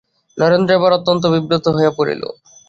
নরেন্দ্র এবার অত্যন্ত বিব্রত হইয়া পড়িল।